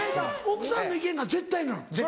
奥さんの意見が絶対なの？